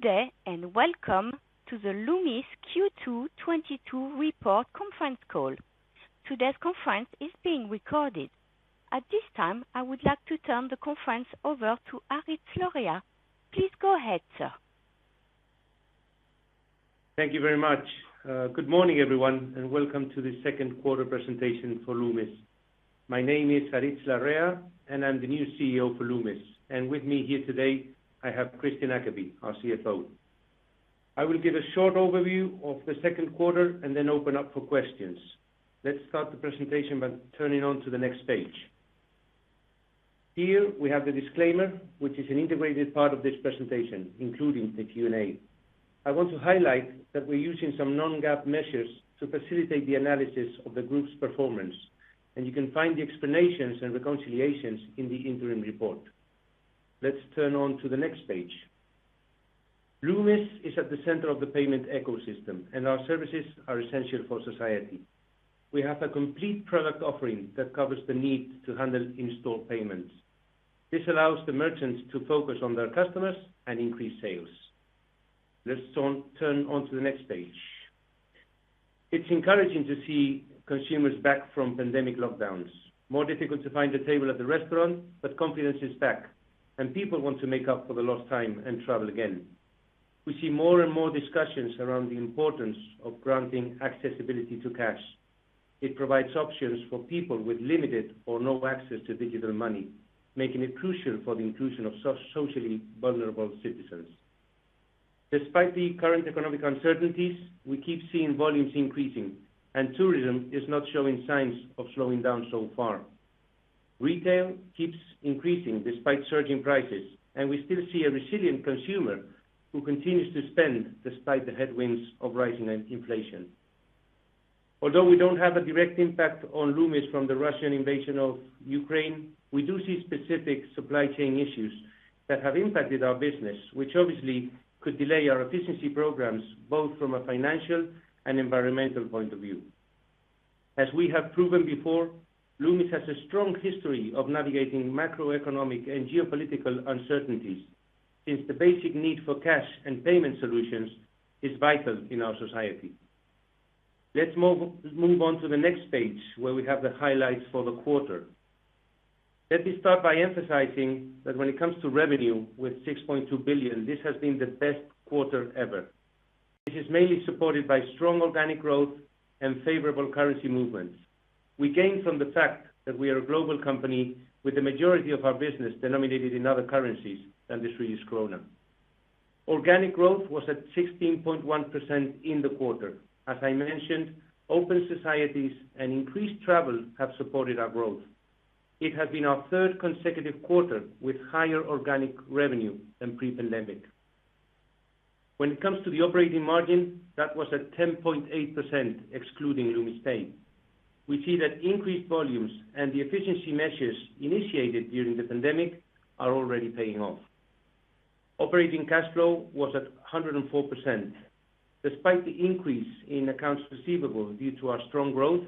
Good day, and welcome to the Loomis Q2 2022 report conference call. Today's conference is being recorded. At this time, I would like to turn the conference over to Aritz Larrea. Please go ahead, sir. Thank you very much. Good morning, everyone, and welcome to the second quarter presentation for Loomis. My name is Aritz Larrea, and I'm the new CEO for Loomis. With me here today, I have Kristian Ackeby, our CFO. I will give a short overview of the second quarter and then open up for questions. Let's start the presentation by turning on to the next page. Here we have the disclaimer, which is an integrated part of this presentation, including the Q&A. I want to highlight that we're using some non-GAAP measures to facilitate the analysis of the group's performance, and you can find the explanations and reconciliations in the interim report. Let's turn on to the next page. Loomis is at the center of the payment ecosystem, and our services are essential for society. We have a complete product offering that covers the need to handle in-store payments. This allows the merchants to focus on their customers and increase sales. Let's turn on to the next page. It's encouraging to see consumers back from pandemic lockdowns. More difficult to find a table at the restaurant, but confidence is back, and people want to make up for the lost time and travel again. We see more and more discussions around the importance of granting accessibility to cash. It provides options for people with limited or no access to digital money, making it crucial for the inclusion of socially vulnerable citizens. Despite the current economic uncertainties, we keep seeing volumes increasing, and tourism is not showing signs of slowing down so far. Retail keeps increasing despite surging prices, and we still see a resilient consumer who continues to spend despite the headwinds of rising inflation. Although we don't have a direct impact on Loomis from the Russian invasion of Ukraine, we do see specific supply chain issues that have impacted our business, which obviously could delay our efficiency programs, both from a financial and environmental point of view. As we have proven before, Loomis has a strong history of navigating macroeconomic and geopolitical uncertainties, since the basic need for cash and payment solutions is vital in our society. Let's move on to the next page, where we have the highlights for the quarter. Let me start by emphasizing that when it comes to revenue with 6.2 billion, this has been the best quarter ever. This is mainly supported by strong organic growth and favorable currency movements. We gain from the fact that we are a global company with the majority of our business denominated in other currencies than the Swedish krona. Organic growth was at 16.1% in the quarter. As I mentioned, open societies and increased travel have supported our growth. It has been our third consecutive quarter with higher organic revenue than pre-pandemic. When it comes to the operating margin, that was at 10.8%, excluding Loomis Pay. We see that increased volumes and the efficiency measures initiated during the pandemic are already paying off. Operating cash flow was at 104%. Despite the increase in accounts receivable due to our strong growth,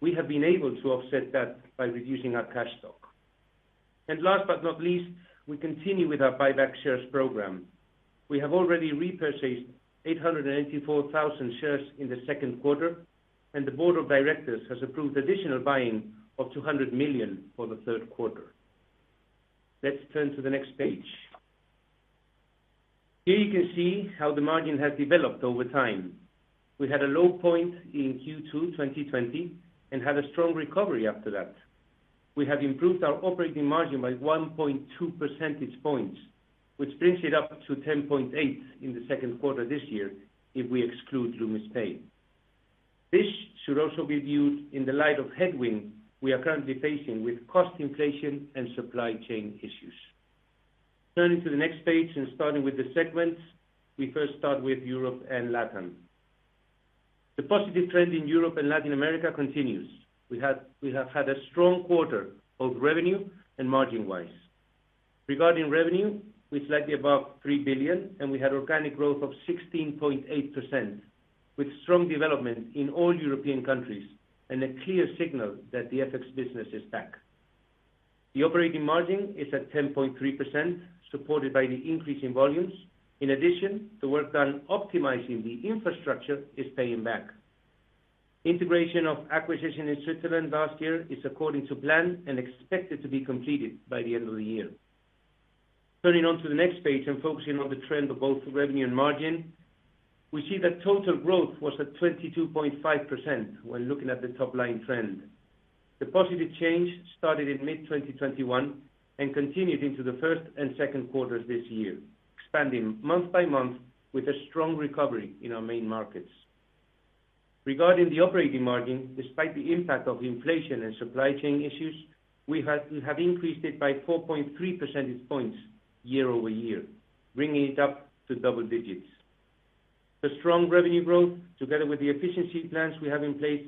we have been able to offset that by reducing our cash stock. Last but not least, we continue with our share buyback program. We have already repurchased 884,000 shares in the second quarter, and the board of directors has approved additional buying of 200 million for the third quarter. Let's turn to the next page. Here you can see how the margin has developed over time. We had a low point in Q2 2020, and had a strong recovery after that. We have improved our operating margin by 1.2 percentage points, which brings it up to 10.8 in the second quarter this year if we exclude Loomis Pay. This should also be viewed in the light of headwind we are currently facing with cost inflation and supply chain issues. Turning to the next page and starting with the segments, we first start with Europe and LatAm. The positive trend in Europe and Latin America continues. We have had a strong quarter of revenue and margin-wise. Regarding revenue, we're slightly above 3 billion, and we had organic growth of 16.8%, with strong development in all European countries and a clear signal that the FX business is back. The operating margin is at 10.3%, supported by the increase in volumes. In addition, the work done optimizing the infrastructure is paying back. Integration of acquisition in Switzerland last year is according to plan and expected to be completed by the end of the year. Turning to the next page and focusing on the trend of both revenue and margin, we see that total growth was at 22.5% when looking at the top-line trend. The positive change started in mid-2021 and continued into the first and second quarters this year, expanding month by month with a strong recovery in our main markets. Regarding the operating margin, despite the impact of inflation and supply chain issues, we have increased it by 4.3 percentage points year-over-year, bringing it up to double digits. The strong revenue growth, together with the efficiency plans we have in place,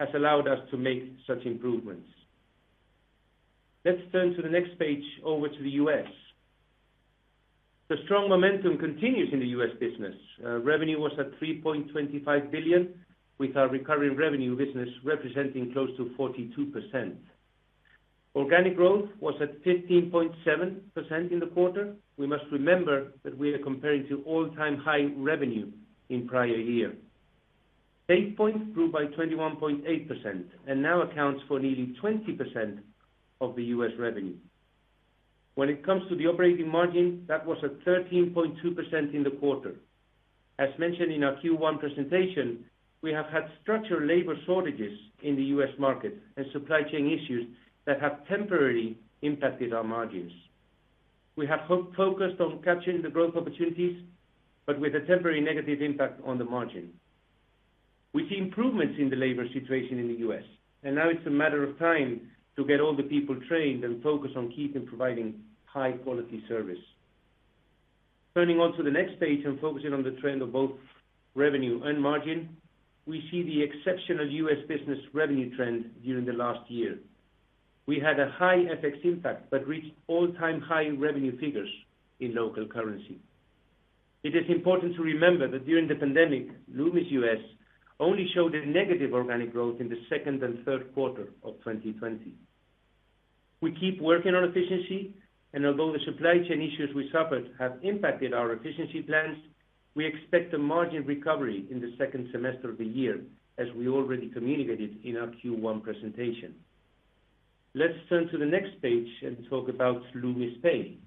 has allowed us to make such improvements. Let's turn to the next page over to the US. The strong momentum continues in the US business. Revenue was at $3.25 billion, with our recurring revenue business representing close to 42%. Organic growth was at 15.7% in the quarter. We must remember that we are comparing to all-time high revenue in prior year. SafePoint grew by 21.8% and now accounts for nearly 20% of the US revenue. When it comes to the operating margin, that was at 13.2% in the quarter. As mentioned in our Q1 presentation, we have had structural labor shortages in the U.S. market and supply chain issues that have temporarily impacted our margins. We have focused on capturing the growth opportunities, but with a temporary negative impact on the margin. We see improvements in the labor situation in the U.S., and now it's a matter of time to get all the people trained and focused on keeping providing high-quality service. Turning to the next page and focusing on the trend of both revenue and margin, we see the exceptional U.S. business revenue trend during the last year. We had a high FX impact, but reached all-time high revenue figures in local currency. It is important to remember that during the pandemic, Loomis U.S. only showed a negative organic growth in the second and third quarter of 2020. We keep working on efficiency, and although the supply chain issues we suffered have impacted our efficiency plans, we expect a margin recovery in the second semester of the year as we already communicated in our Q1 presentation. Let's turn to the next page and talk about Loomis Pay.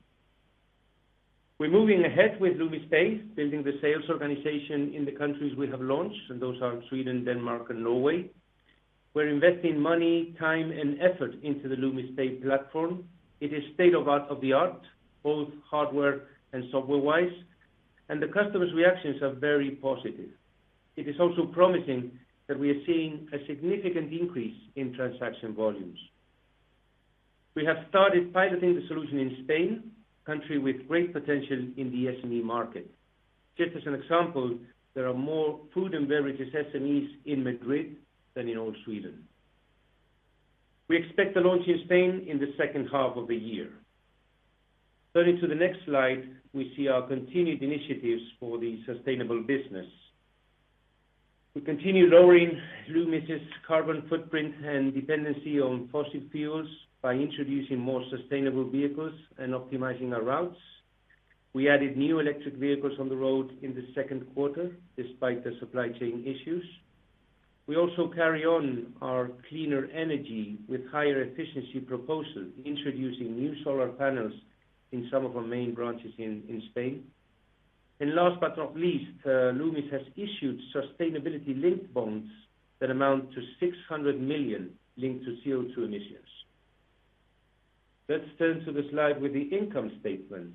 We're moving ahead with Loomis Pay, building the sales organization in the countries we have launched, and those are Sweden, Denmark, and Norway. We're investing money, time, and effort into the Loomis Pay platform. It is state of the art, both hardware and software-wise, and the customers' reactions are very positive. It is also promising that we are seeing a significant increase in transaction volumes. We have started piloting the solution in Spain, country with great potential in the SME market. Just as an example, there are more food and beverages SMEs in Madrid than in all Sweden. We expect to launch in Spain in the second half of the year. Turning to the next slide, we see our continued initiatives for the sustainable business. We continue lowering Loomis' carbon footprint and dependency on fossil fuels by introducing more sustainable vehicles and optimizing our routes. We added new electric vehicles on the road in the second quarter, despite the supply chain issues. We also carry on our cleaner energy with higher efficiency proposal, introducing new solar panels in some of our main branches in Spain. Last but not least, Loomis has issued sustainability-linked bonds that amount to 600 million linked to CO2 emissions. Let's turn to the slide with the income statement.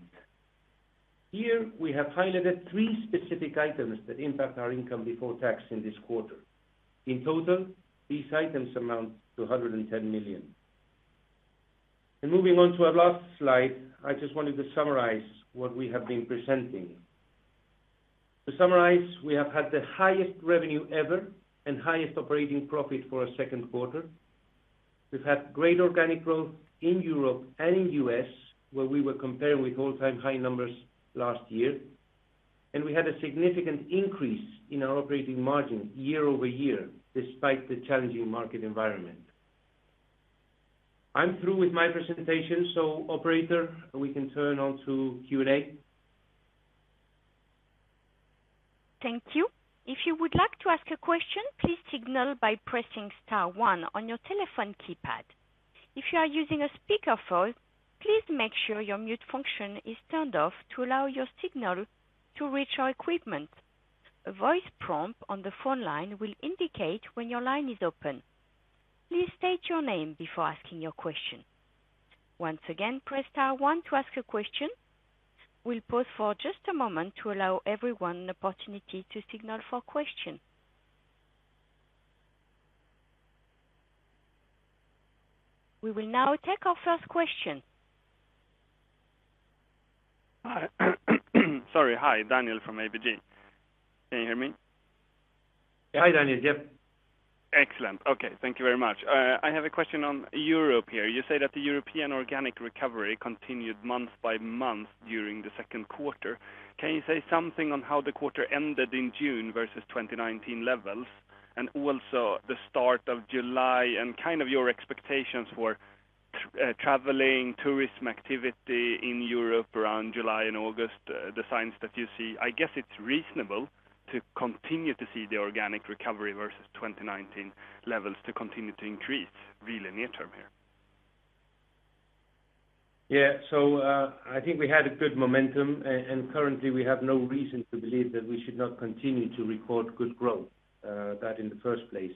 Here, we have highlighted three specific items that impact our income before tax in this quarter. In total, these items amount to 110 million. Moving on to our last slide, I just wanted to summarize what we have been presenting. To summarize, we have had the highest revenue ever and highest operating profit for a second quarter. We've had great organic growth in Europe and in U.S., where we were comparing with all-time high numbers last year. We had a significant increase in our operating margin year-over-year, despite the challenging market environment. I'm through with my presentation, so operator, we can turn on to Q&A. Thank you. If you would like to ask a question, please signal by pressing star one on your telephone keypad. If you are using a speakerphone, please make sure your mute function is turned off to allow your signal to reach our equipment. A voice prompt on the phone line will indicate when your line is open. Please state your name before asking your question. Once again, press star one to ask a question. We'll pause for just a moment to allow everyone an opportunity to signal for question. We will now take our first question. Sorry. Hi, Daniel from ABG. Can you hear me? Yeah. Hi, Daniel. Yep. Excellent. Okay. Thank you very much. I have a question on Europe here. You say that the European organic recovery continued month by month during the second quarter. Can you say something on how the quarter ended in June versus 2019 levels? Also the start of July and kind of your expectations for traveling, tourism activity in Europe around July and August, the signs that you see. I guess it's reasonable to continue to see the organic recovery versus 2019 levels to continue to increase really near term here. Yeah. I think we had a good momentum, and currently, we have no reason to believe that we should not continue to record good growth, that in the first place.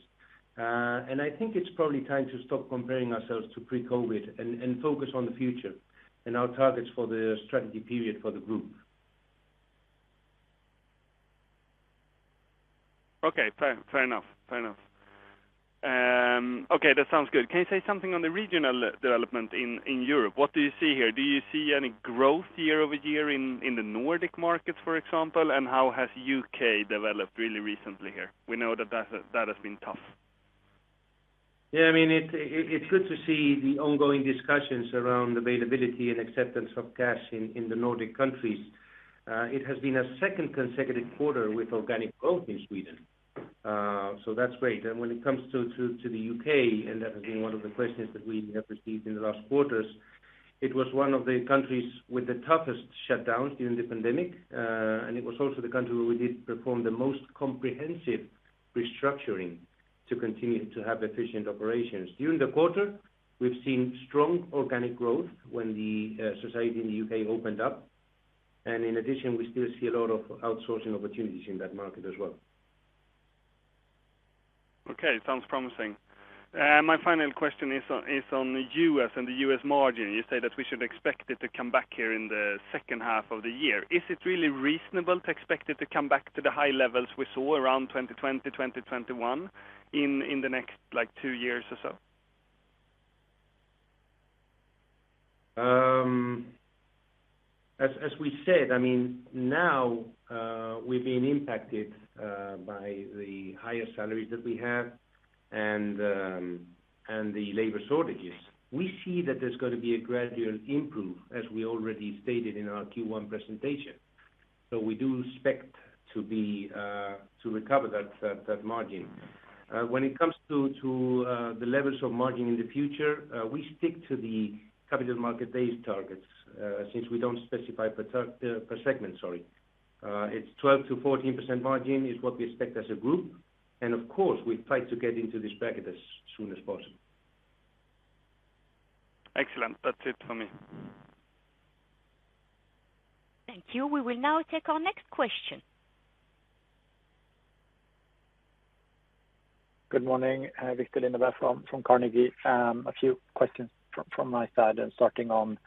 I think it's probably time to stop comparing ourselves to pre-COVID and focus on the future and our targets for the strategy period for the group. Okay. Fair enough. That sounds good. Can you say something on the regional development in Europe? What do you see here? Do you see any growth year over year in the Nordic markets, for example? How has U.K. developed really recently here? We know that that has been tough. Yeah. I mean, it's good to see the ongoing discussions around availability and acceptance of cash in the Nordic countries. It has been a second consecutive quarter with organic growth in Sweden. That's great. When it comes to the U.K., that has been one of the questions that we have received in the last quarters. It was one of the countries with the toughest shutdowns during the pandemic. It was also the country where we did perform the most comprehensive restructuring to continue to have efficient operations. During the quarter, we've seen strong organic growth when the society in the U.K. opened up. In addition, we still see a lot of outsourcing opportunities in that market as well. Okay, sounds promising. My final question is on the U.S. and the U.S. margin. You say that we should expect it to come back here in the second half of the year. Is it really reasonable to expect it to come back to the high levels we saw around 2020, 2021 in the next, like, two years or so? As we said, I mean, now, we've been impacted by the higher salaries that we have and the labor shortages. We see that there's gonna be a gradual improvement, as we already stated in our Q1 presentation. We do expect to recover that margin. When it comes to the levels of margin in the future, we stick to the capital market-based targets, since we don't specify per segment, sorry. It's 12%-14% margin is what we expect as a group, and of course, we try to get into this bracket as soon as possible. Excellent. That's it for me. Thank you. We will now take our next question. Good morning. Viktor Lindeberg from Carnegie. A few questions from my side, and starting on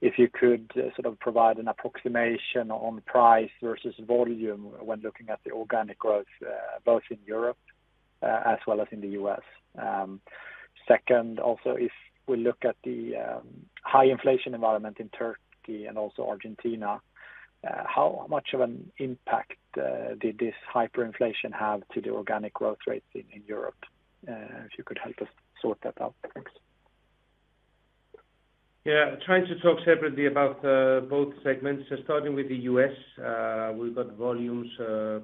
if you could sort of provide an approximation on price versus volume when looking at the organic growth, both in Europe, as well as in the US. Second, also, if we look at the high inflation environment in Turkey and also Argentina, how much of an impact did this hyperinflation have to the organic growth rates in Europe? If you could help us sort that out. Thanks. Trying to talk separately about both segments, starting with the US, we've got volumes,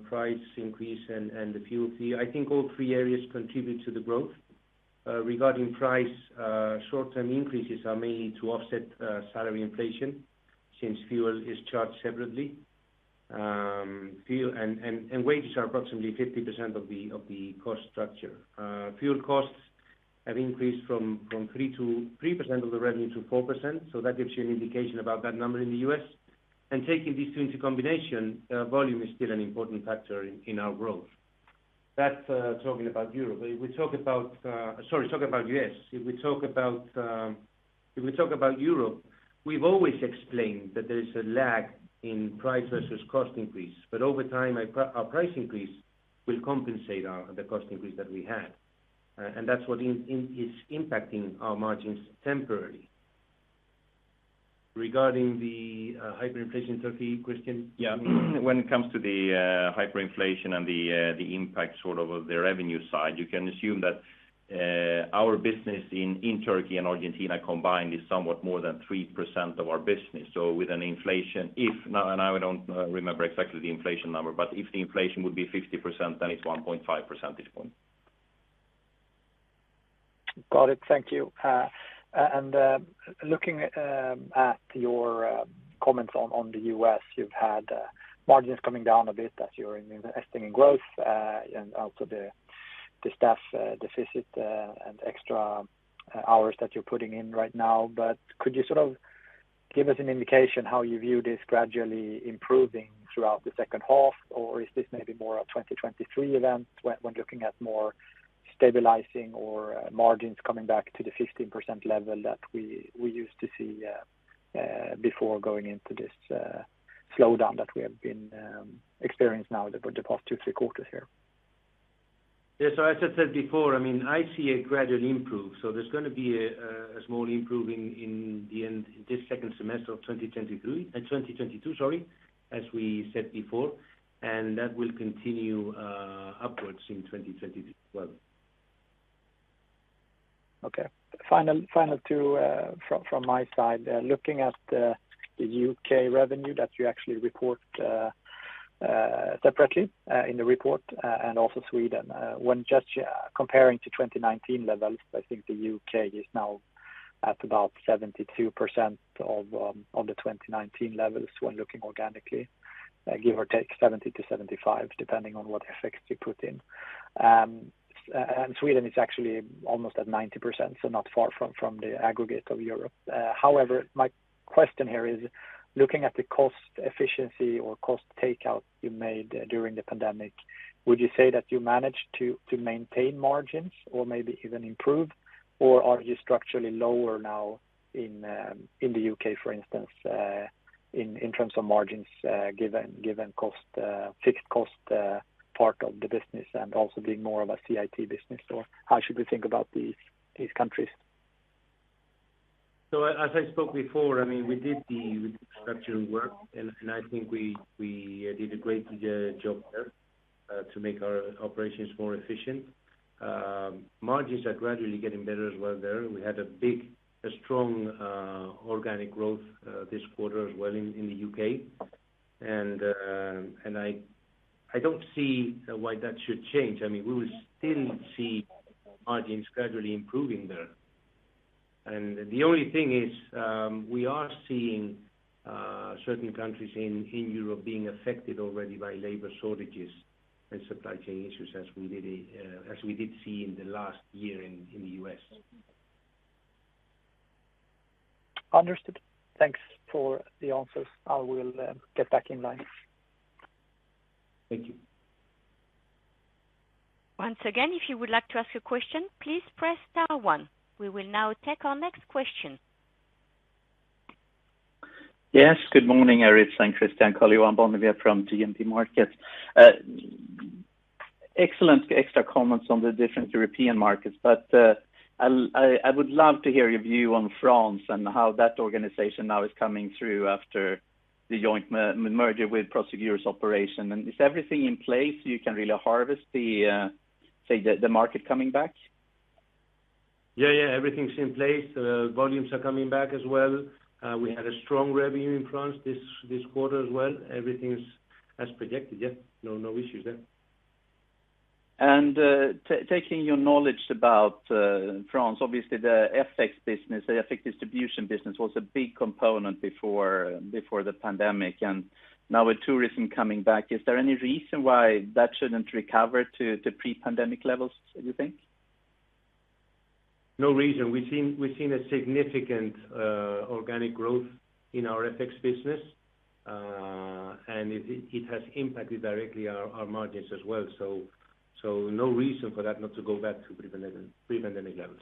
price increase and the fuel fee. I think all three areas contribute to the growth. Regarding price, short-term increases are mainly to offset salary inflation since fuel is charged separately. Fuel and wages are approximately 50% of the cost structure. Fuel costs have increased from 3% of the revenue to 4%, so that gives you an indication about that number in the US. Taking these two into combination, volume is still an important factor in our growth. If we talk about Europe, we've always explained that there is a lag in price versus cost increase. Over time, our price increase will compensate for the cost increase that we had. That's what is impacting our margins temporarily. Regarding the hyperinflation in Turkey question. Yeah. When it comes to the hyperinflation and the impact sort of on the revenue side, you can assume that our business in Turkey and Argentina combined is somewhat more than 3% of our business. With an inflation, and I don't remember exactly the inflation number, but if the inflation would be 50%, then it's 1.5 percentage point. Got it. Thank you. And looking at your comments on the U.S., you've had margins coming down a bit as you're investing in growth, and also the staff deficit, and extra hours that you're putting in right now. Could you sort of give us an indication how you view this gradually improving throughout the second half? Is this maybe more a 2023 event when looking at more stabilizing or margins coming back to the 15% level that we used to see before going into this slowdown that we have been experiencing now the past two, three quarters here? Yeah. As I said before, I mean, I see a gradual improvement. There's gonna be a small improvement in the end, this second semester of 2023. 2022, sorry, as we said before. That will continue upwards in 2020 as well. Okay. Final two from my side. Looking at the U.K. revenue that you actually report separately in the report and also Sweden. When just comparing to 2019 levels, I think the U.K. is now at about 72% of the 2019 levels when looking organically, give or take 70%-75%, depending on what effects you put in. Sweden is actually almost at 90%, so not far from the aggregate of Europe. However, my question here is, looking at the cost efficiency or cost takeout you made during the pandemic, would you say that you managed to maintain margins or maybe even improve, or are you structurally lower now in the U.K., for instance, in terms of margins, given fixed cost part of the business and also being more of a CIT business? Or how should we think about these countries? As I spoke before, I mean, we did the structural work, and I think we did a great job there to make our operations more efficient. Margins are gradually getting better as well there. We had a big, strong organic growth this quarter as well in the U.K. I don't see why that should change. I mean, we will still see margins gradually improving there. The only thing is, we are seeing certain countries in Europe being affected already by labor shortages and supply chain issues as we did see in the last year in the U.S. Understood. Thanks for the answers. I will get back in line. Thank you. Once again, if you would like to ask a question, please press star one. We will now take our next question. Yes. Good morning, Aritz and Kristian. Karl-Johan Bonnevier from DNB Markets. Excellent earlier comments on the different European markets. I would love to hear your view on France and how that organization now is coming through after the joint merger with Prosegur's operations. Is everything in place, you can really harvest the market coming back? Yeah, yeah. Everything's in place. Volumes are coming back as well. We had a strong revenue in France this quarter as well. Everything's as projected. Yeah. No issues there. Taking your knowledge about France, obviously the FX business, the FX distribution business was a big component before the pandemic. Now with tourism coming back, is there any reason why that shouldn't recover to pre-pandemic levels, you think? No reason. We've seen a significant organic growth in our FX business. It has impacted directly our margins as well. No reason for that not to go back to pre-pandemic levels.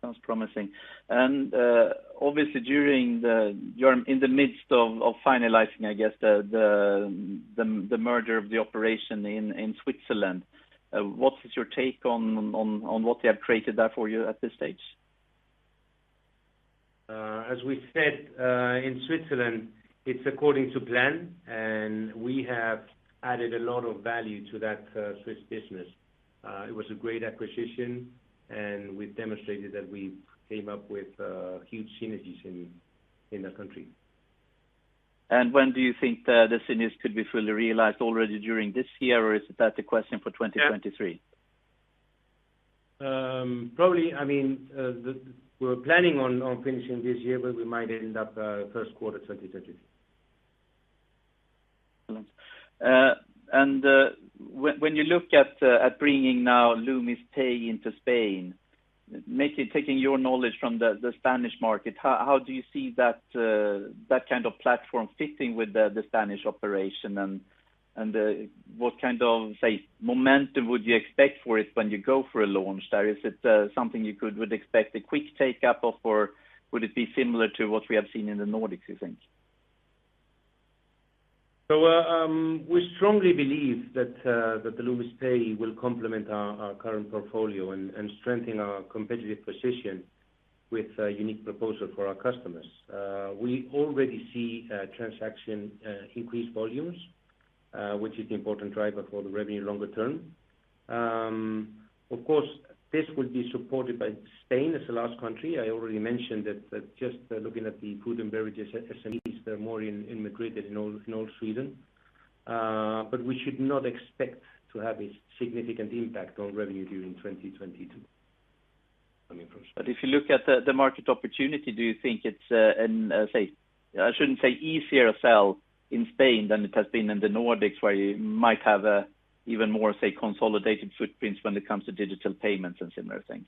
Sounds promising. You're in the midst of finalizing, I guess, the merger of the operation in Switzerland. What is your take on what they have created there for you at this stage? As we said, in Switzerland, it's according to plan, and we have added a lot of value to that Swiss business. It was a great acquisition, and we've demonstrated that we came up with huge synergies in the country. When do you think the synergies could be fully realized already during this year, or is that a question for 2023? Probably, I mean, we're planning on finishing this year, but we might end up first quarter 2023. When you look at bringing now Loomis Pay into Spain, maybe taking your knowledge from the Spanish market, how do you see that kind of platform fitting with the Spanish operation and what kind of, say, momentum would you expect for it when you go for a launch there? Is it something you would expect a quick take-up of, or would it be similar to what we have seen in the Nordics, you think? We strongly believe that the Loomis Pay will complement our current portfolio and strengthen our competitive position with a unique proposal for our customers. We already see increased transaction volumes, which is the important driver for the revenue longer term. Of course, this will be supported by Spain as the last country. I already mentioned that just looking at the food and beverage SMEs, there are more in Madrid than in all Sweden. We should not expect to have a significant impact on revenue during 2022. If you look at the market opportunity, do you think it's, I shouldn't say, easier sell in Spain than it has been in the Nordics, where you might have an even more say, consolidated footprints when it comes to digital payments and similar things.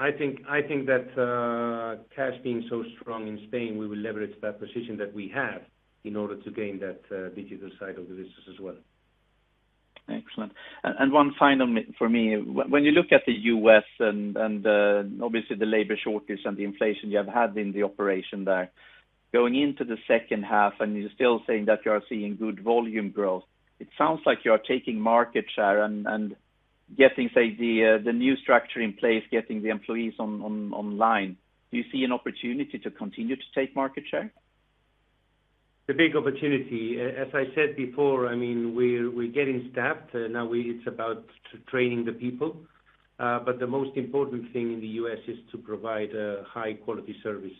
I think that cash being so strong in Spain, we will leverage that position that we have in order to gain that digital side of the business as well. Excellent. One final more for me. When you look at the U.S. and obviously the labor shortage and the inflation you have had in the operation there, going into the second half, and you're still saying that you are seeing good volume growth, it sounds like you are taking market share and getting, say, the new structure in place, getting the employees on online. Do you see an opportunity to continue to take market share? The big opportunity, as I said before, I mean, we're getting staffed. Now it's about training the people. The most important thing in the U.S. is to provide a high quality service.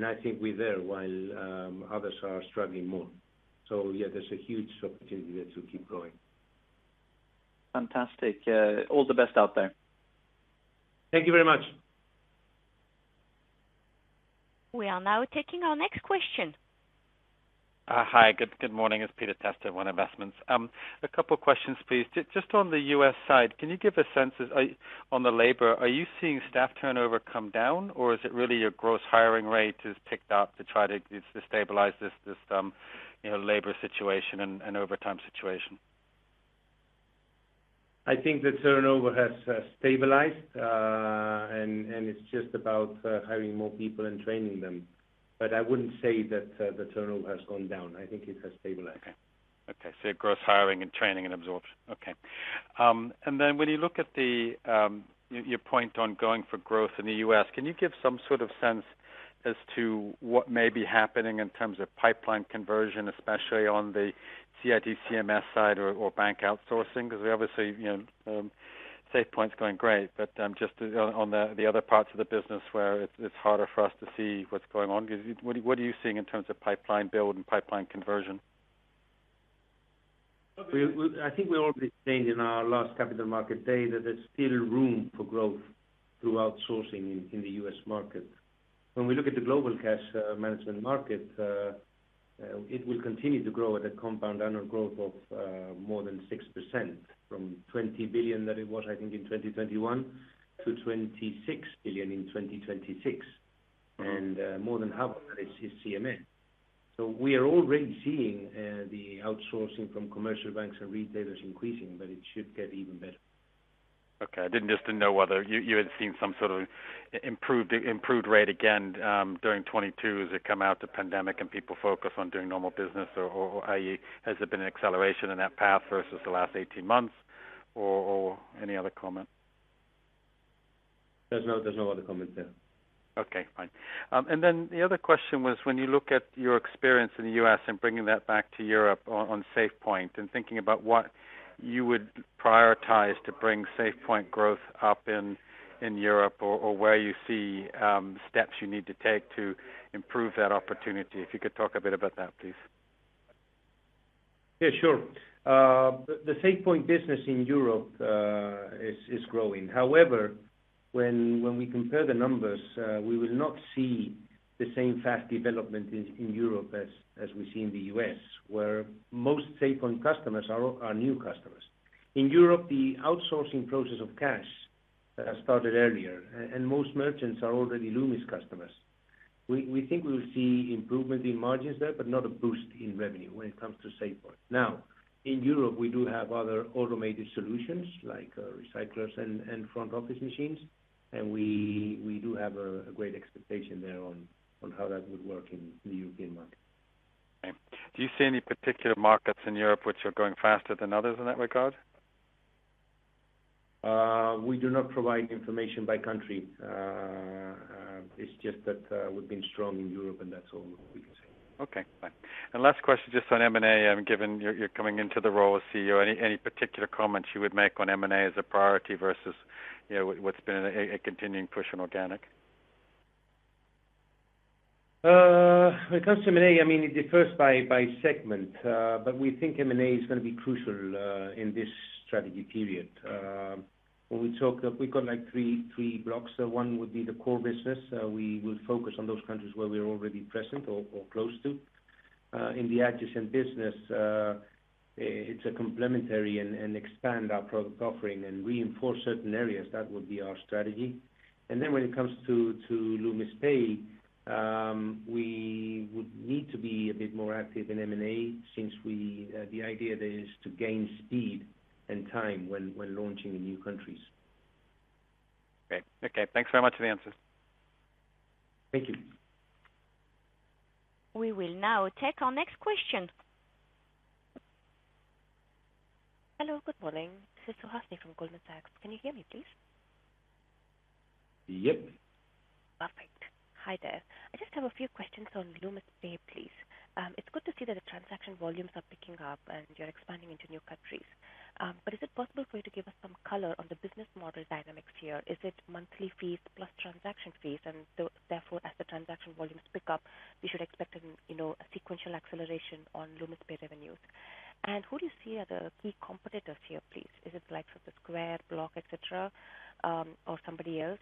I think we're there while others are struggling more. Yeah, there's a huge opportunity there to keep growing. Fantastic. All the best out there. Thank you very much. We are now taking our next question. Hi. Good morning. It's Peter Testa, One Investments. A couple questions, please. Just on the U.S. side, can you give a sense on the labor, are you seeing staff turnover come down, or is it really your gross hiring rate is ticked up to try to stabilize this you know labor situation and overtime situation? I think the turnover has stabilized. It's just about hiring more people and training them. I wouldn't say that the turnover has gone down. I think it has stabilized. Gross hiring and training and absorption. When you look at your point on going for growth in the U.S., can you give some sort of sense as to what may be happening in terms of pipeline conversion, especially on the CIT CMS side or bank outsourcing, because we obviously, you know, SafePoint is going great, but just on the other parts of the business where it's harder for us to see what's going on. What are you seeing in terms of pipeline build and pipeline conversion? I think we already explained in our last capital market day that there's still room for growth through outsourcing in the U.S. market. When we look at the global cash management market, it will continue to grow at a compound annual growth of more than 6% from $20 billion that it was, I think, in 2021 to $26 billion in 2026. More than half of that is CMS. We are already seeing the outsourcing from commercial banks and retailers increasing, but it should get even better. Okay. Just to know whether you had seen some sort of improved rate again during 2022 as it come out of pandemic and people focus on doing normal business or i.e., has there been an acceleration in that path versus the last 18 months or any other comment? There's no other comment there. Okay. Fine. The other question was when you look at your experience in the U.S. and bringing that back to Europe on SafePoint and thinking about what you would prioritize to bring SafePoint growth up in Europe or where you see steps you need to take to improve that opportunity. If you could talk a bit about that, please? Yeah, sure. The SafePoint business in Europe is growing. However, when we compare the numbers, we will not see the same fast development in Europe as we see in the U.S., where most SafePoint customers are new customers. In Europe, the outsourcing process of cash started earlier and most merchants are already Loomis customers. We think we will see improvement in margins there, but not a boost in revenue when it comes to SafePoint. Now, in Europe, we do have other automated solutions like recyclers and front office machines, and we do have a great expectation there on how that would work in the European market. Okay. Do you see any particular markets in Europe which are going faster than others in that regard? We do not provide information by country. It's just that, we've been strong in Europe, and that's all we can say. Okay. Fine. Last question, just on M&A, given you're coming into the role of CEO, any particular comments you would make on M&A as a priority versus, you know, what's been a continuing push on organic? When it comes to M&A, I mean, it differs by segment. But we think M&A is gonna be crucial in this strategy period. We've got like three blocks. One would be the core business. We will focus on those countries where we're already present or close to. In the adjacent business, it's a complementary and expand our product offering and reinforce certain areas. That would be our strategy. When it comes to Loomis Pay, we would need to be a bit more active in M&A since the idea there is to gain speed and time when launching in new countries. Great. Okay. Thanks very much for the answers. Thank you. We will now take our next question. Hello, good morning. This is Suhasini from Goldman Sachs. Can you hear me, please? Yep. Perfect. Hi there. I just have a few questions on Loomis Pay, please. It's good to see that the transaction volumes are picking up and you're expanding into new countries. But is it possible for you to give us some color on the business model dynamics here? Is it monthly fees plus transaction fees and therefore, as the transaction volumes pick up, we should expect an, you know, a sequential acceleration on Loomis Pay revenues? Who do you see as a key competitors here, please? Is it like sort of Square, Block, et cetera, or somebody else?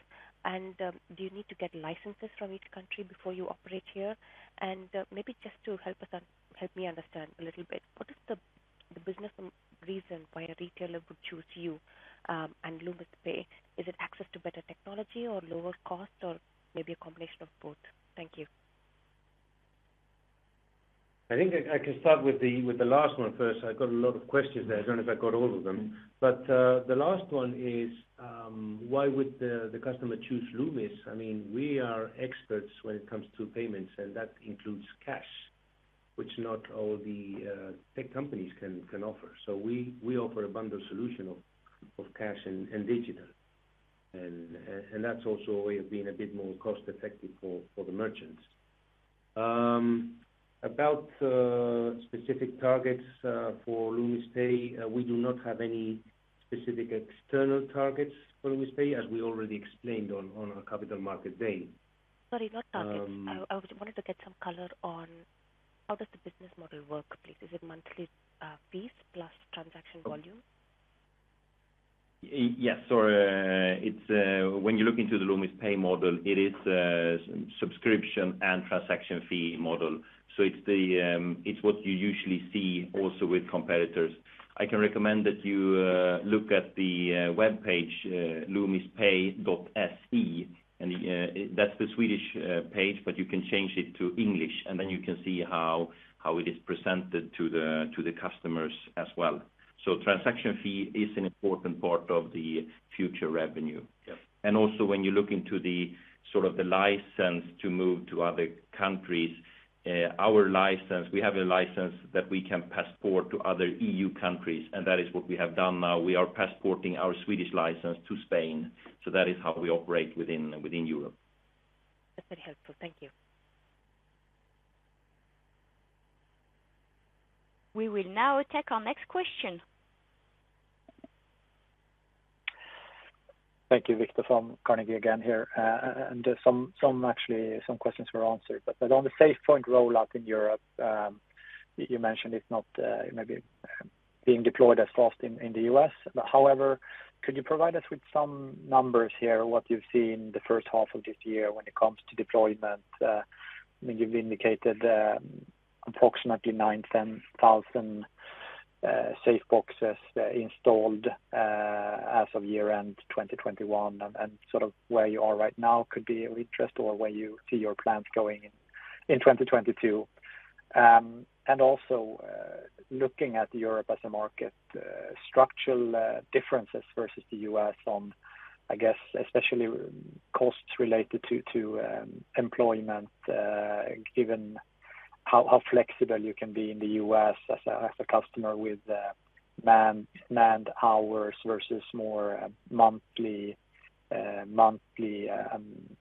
Do you need to get licenses from each country before you operate here? Maybe just to help me understand a little bit, what is the business reason why a retailer would choose you, and Loomis Pay? Is it access to better technology or lower cost or maybe a combination of both? Thank you. I think I can start with the last one first. I got a lot of questions there. I don't know if I got all of them. The last one is, why would the customer choose Loomis? I mean, we are experts when it comes to payments, and that includes cash, which not all the tech companies can offer. We offer a bundle solution of cash and digital. That's also a way of being a bit more cost-effective for the merchants. About specific targets for Loomis Pay, we do not have any specific external targets for Loomis Pay, as we already explained on our Capital Markets Day. Sorry, not targets. Um- I wanted to get some color on how does the business model work, please? Is it monthly, fees plus transaction volume? Yes. It's when you look into the Loomis Pay model, it is subscription and transaction fee model. It's what you usually see also with competitors. I can recommend that you look at the webpage, loomispay.com, and that's the Swedish page, but you can change it to English, and then you can see how it is presented to the customers as well. Transaction fee is an important part of the future revenue. Yes. Also when you look into the sort of license to move to other countries, our license, we have a license that we can passport to other EU countries, and that is what we have done now. We are passporting our Swedish license to Spain. That is how we operate within Europe. That's very helpful. Thank you. We will now take our next question. Thank you. Viktor Lindeberg from Carnegie again here. Some actually, some questions were answered, but on the SafePoint rollout in Europe, you mentioned it's not maybe being deployed as fast in the U.S.. However, could you provide us with some numbers here, what you've seen the first half of this year when it comes to deployment? I mean, you've indicated approximately nine to 10 thousand safe boxes installed as of year-end 2021, and sort of where you are right now could be of interest or where you see your plans going in 2022. Looking at Europe as a market, structural differences versus the U.S. on, I guess, especially costs related to employment, given how flexible you can be in the U.S. as a customer with manned hours versus more monthly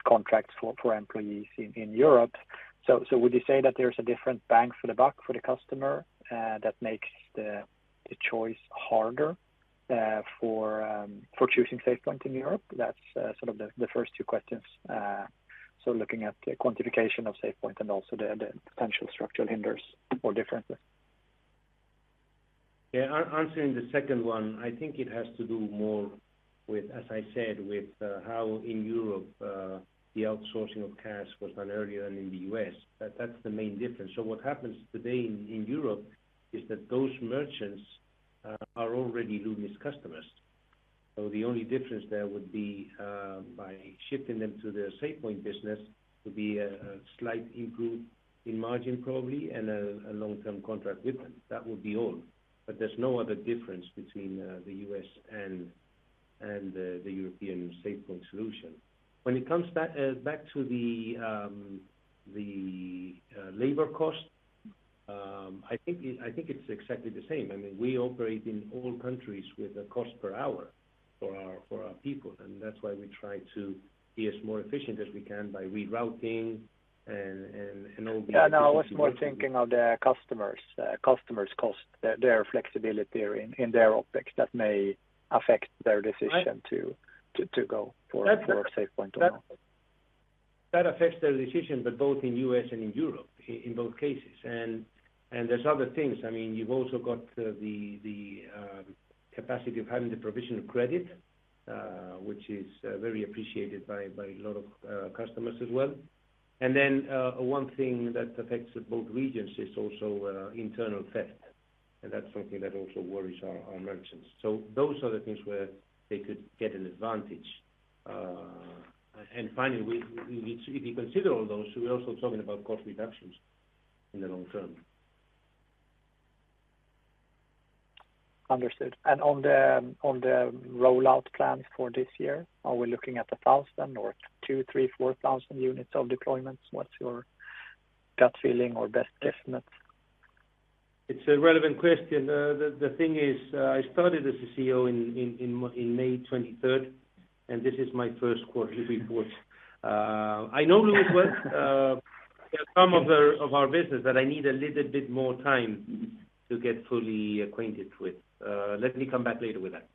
contracts for employees in Europe. So would you say that there's a different bang for the buck for the customer that makes the choice harder for choosing SafePoint in Europe? That's sort of the first two questions. Looking at the quantification of SafePoint and also the potential structural hindrances or differences. Answering the second one, I think it has to do more with, as I said, with, how in Europe, the outsourcing of cash was done earlier than in the U.S. That's the main difference. What happens today in Europe is that those merchants are already Loomis customers. The only difference there would be, by shifting them to the SafePoint business would be a slight improvement in margin, probably, and a long-term contract with them. That would be all. There's no other difference between the U.S. and the European SafePoint solution. When it comes back to the labor cost, I think it's exactly the same. I mean, we operate in all countries with a cost per hour for our people, and that's why we try to be as more efficient as we can by rerouting and all the other things. Yeah, no, I was more thinking of the customers' cost, their flexibility in their optics that may affect their decision to. Right. To go for That's For SafePoint or not. That affects their decision, but both in U.S. and in Europe, in both cases. There's other things. I mean, you've also got the capacity of having the provision of credit, which is very appreciated by a lot of customers as well. Then one thing that affects both regions is also internal theft, and that's something that also worries our merchants. Those are the things where they could get an advantage. Finally, if you consider all those, we're also talking about cost reductions in the long term. Understood. On the rollout plans for this year, are we looking at 1,000 or 2,000, 3,000, 4,000 units of deployments? What's your gut feeling or best guesstimate? It's a relevant question. The thing is, I started as a CEO in May 2023, and this is my first quarterly report. I know Loomis well, some of our business, but I need a little bit more time to get fully acquainted with. Let me come back later with that.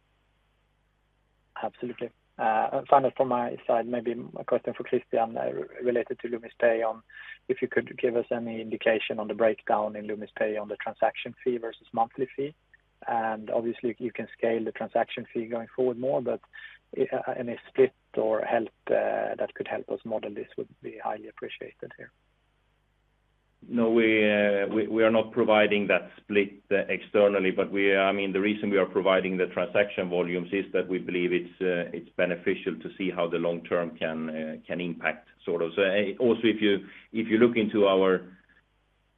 Absolutely. Finally from my side, maybe a question for Kristian related to Loomis Pay on if you could give us any indication on the breakdown in Loomis Pay on the transaction fee versus monthly fee. Obviously, you can scale the transaction fee going forward more, but any split or help that could help us model this would be highly appreciated here. No, we are not providing that split externally, but we are, I mean, the reason we are providing the transaction volumes is that we believe it's beneficial to see how the long term can impact, sort of. Also, if you look into our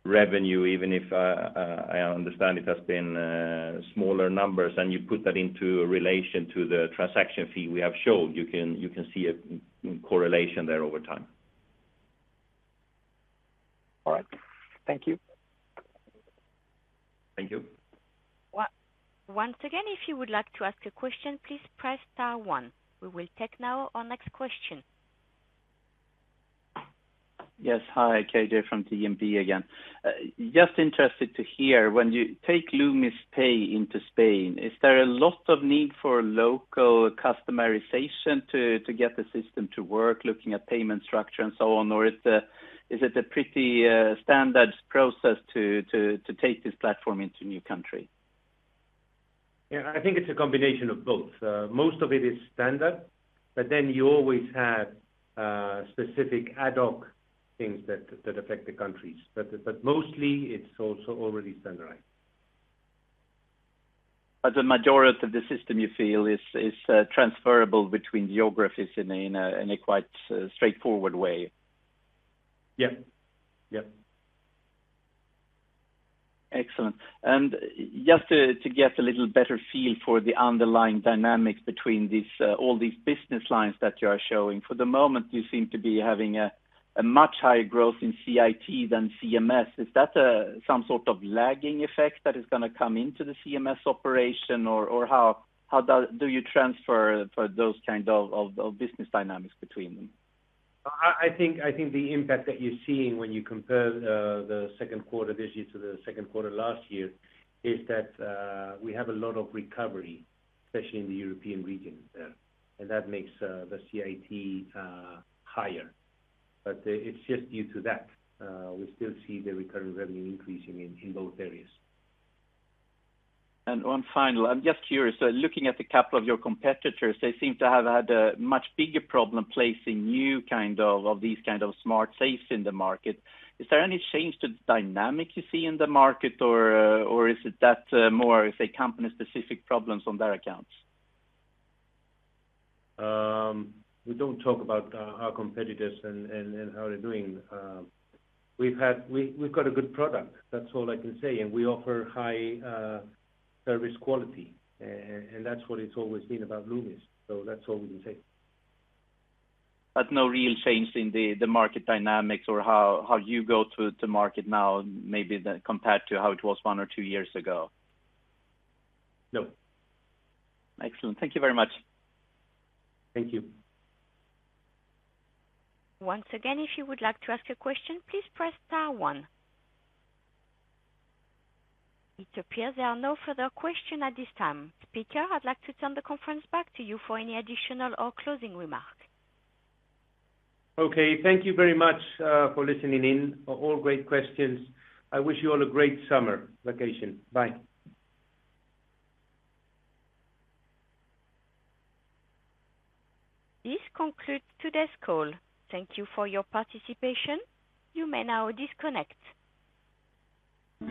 revenue, even if I understand it has been smaller numbers, and you put that into relation to the transaction fee we have showed, you can see a correlation there over time. All right. Thank you. Thank you. Once again, if you would like to ask a question, please press star one. We will now take our next question. Yes. Hi, KJ from DNB again. Just interested to hear, when you take Loomis Pay into Spain, is there a lot of need for local customization to get the system to work, looking at payment structure and so on? Or is it a pretty standard process to take this platform into new country? Yeah, I think it's a combination of both. Most of it is standard, but then you always have specific ad hoc things that affect the countries. Mostly, it's also already standardized. The majority of the system you feel is transferable between geographies in a quite straightforward way? Yep. Yep. Just to get a little better feel for the underlying dynamics between these all these business lines that you are showing, for the moment, you seem to be having a much higher growth in CIT than CMS. Is that some sort of lagging effect that is gonna come into the CMS operation? Or how do you transfer for those kind of business dynamics between them? I think the impact that you're seeing when you compare the second quarter this year to the second quarter last year is that we have a lot of recovery, especially in the European region, and that makes the CIT higher. It's just due to that. We still see the recurring revenue increasing in both areas. One final. I'm just curious, looking at a couple of your competitors, they seem to have had a much bigger problem placing new kind of these kind of smart safes in the market. Is there any change to the dynamic you see in the market, or is it that more of a company-specific problems on their accounts? We don't talk about our competitors and how they're doing. We've got a good product. That's all I can say. We offer high service quality. That's what it's always been about Loomis. That's all we can say. No real change in the market dynamics or how you go to market now, maybe compared to how it was one or two years ago? No. Excellent. Thank you very much. Thank you. Once again, if you would like to ask a question, please press star one. It appears there are no further question at this time. Speaker, I'd like to turn the conference back to you for any additional or closing remarks. Okay. Thank you very much for listening in. All great questions. I wish you all a great summer vacation. Bye. This concludes today's call. Thank you for your participation. You may now disconnect.